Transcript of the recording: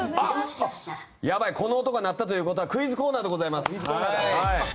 やばい、この音が鳴ったということはクイズコーナーです。